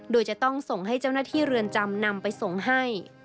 โดยจะต้องส่งให้เจ้าหน้าที่เรือนจำนำไปส่งให้